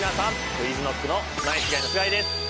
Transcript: ＱｕｉｚＫｎｏｃｋのナイスガイの須貝です。